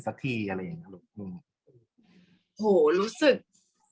กากตัวทำอะไรบ้างอยู่ตรงนี้คนเดียว